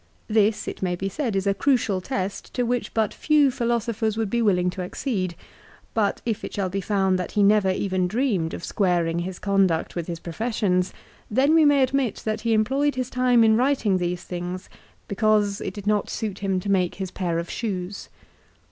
This, it may be said, is a crucial test to which but few philosophers would be willing to accede ; but if it shall be found that he never even dreamed of squaring his conduct with his professions, then we may admit that he employed his time in writing these things because it did not suit him to make his pair of shoes.